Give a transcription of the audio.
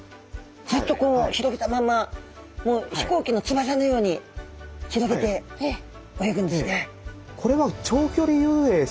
ずっとこう広げたまんま飛行機のつばさのように広げて泳ぐんですね。